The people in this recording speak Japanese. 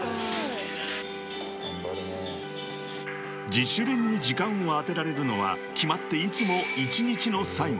［自主練の時間を充てられるのは決まっていつも一日の最後］